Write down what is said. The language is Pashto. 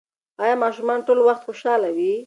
ایا ماشومان ټول وخت خوشحاله وي؟